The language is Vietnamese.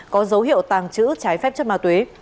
có dấu hiệu tàng trữ trái phép chất ma túy